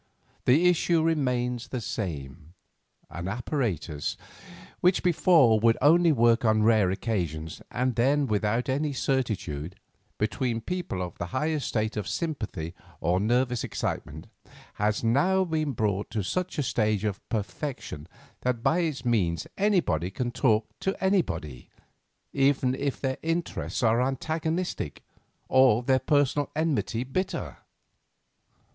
The issue remains the same. An apparatus which before would work only on rare occasions—and then without any certitude—between people in the highest state of sympathy or nervous excitement, has now been brought to such a stage of perfection that by its means anybody can talk to anybody, even if their interests are antagonistic, or their personal enmity bitter.